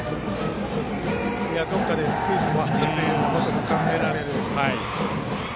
どこかでスクイズがあることも考えられる。